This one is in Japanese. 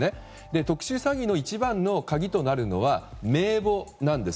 特殊詐欺の一番の鍵となるのは名簿なんです。